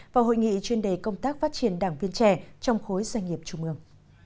và hội nghị chuyên đề công tác phát triển đảng viên trẻ trong khối doanh nghiệp trung ương